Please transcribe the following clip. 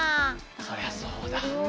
そりゃそうだ。